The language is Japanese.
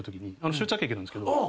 終着駅なんですけど。